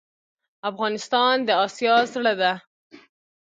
افغانستان د آسیا زړه ده.